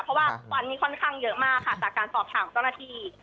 เพราะว่าวันนี้ค่อนข้างเยอะมากค่ะจากการสอบถามเจ้าหน้าที่